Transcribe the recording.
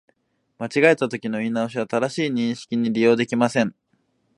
間違えたときの言い直しは、正しい認識に利用できません